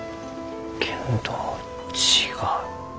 けんど違う。